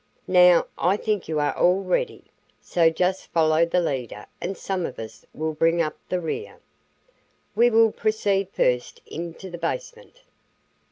Now, I think you are all ready, so just follow the leader and some of us will bring up the rear. We will proceed first into the basement."